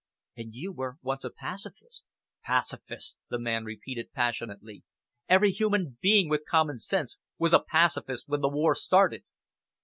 "And you were once a pacifist!" "Pacifist!" the man repeated passionately. "Every human being with common sense was a pacifist when the war started."